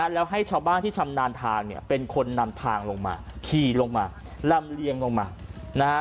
แล้วให้ชาวบ้านที่ชำนาญทางเนี่ยเป็นคนนำทางลงมาขี่ลงมาลำเลียงลงมานะฮะ